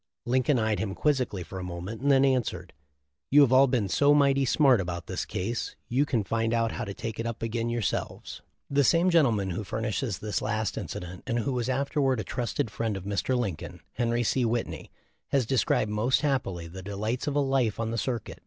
Lincoln eyed him quizzically a moment, and then answered, "You have all been so 'mighty smart about this case you can find out how to take it up again yourselves."* The same gentleman who furnishes this last inci dent, and who was afterward a trusted friend of Mr. Lincoln, Henry C. Whitney, has described most happily the delights of a life on the circuit.